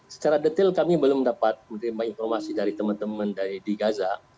secara detail kami belum dapat menerima informasi dari teman teman dari di gaza